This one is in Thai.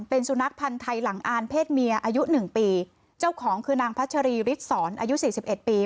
เป็นสุนัขพันธ์ไทยหลังอ่านเพศเมียอายุหนึ่งปีเจ้าของคือนางพัชรีฤทธศรอายุสี่สิบเอ็ดปี